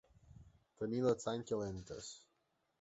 Tenir les sangs calentes.